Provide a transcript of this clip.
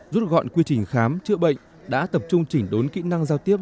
rút gọn quy trình khám chữa bệnh đã tập trung chỉnh đốn kỹ năng giao tiếp